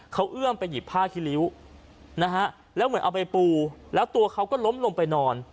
เขาเอื้อมไปหยิบผ้าที่ริ้วนะฮะแล้วเหมือนเอาไปปูแล้วตัวเขาก็ล้มลงไปนอน